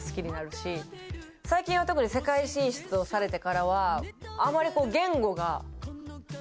最近は特に世界進出をされてからはあまりこう。